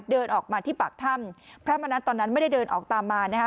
เดินออกมาที่ปากถ้ำพระมณัฐตอนนั้นไม่ได้เดินออกตามมานะคะ